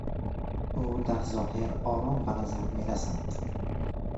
او در ظاهر آرام به نظر میرسد.